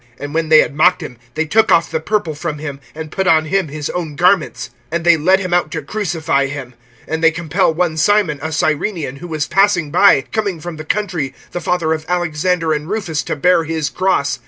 (20)And when they had mocked him, they took off the purple from him, and put on him his own garments. And they lead him out to crucify him. (21)And they compel one Simon, a Cyrenian, who was passing by, coming from the country, the father of Alexander and Rufus, to bear his cross.